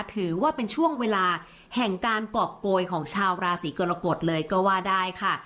ถือว่าเป็นช่วงเวลาแห่งการกรอบโกยของชาวราศีกรกฎเลยก็ว่าได้ค่ะ